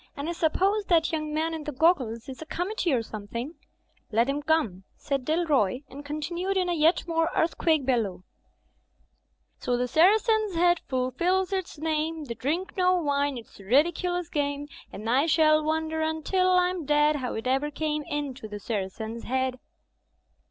And I suppose that young man in the goggles is a Committee or some thing.'* ^ Digitized by CjOOQ IC THE INN FINDS WINGS 47 'Xet him come," said Dalroy, and continued in a yet more earthquake bellow: "So the Saracen's Head fulfils its name, They drink no wine — sl ridiculous game— And I shall wonder until I'm dead, How it ever came into the Saracen's Head.'